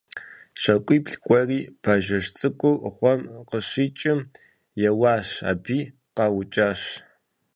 ЩакӀуибл кӀуэри, бажэжь цӀыкӀур гъуэм къыщикӀым еуэщ аби, къаукӀащ.